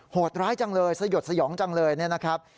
โหดร้ายจังเลยสยดสยองจังเลยนะครับ